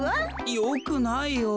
よくないよ。